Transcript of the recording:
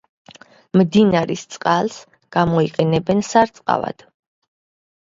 მდინარის წყალს გამოიყენებენ სარწყავად.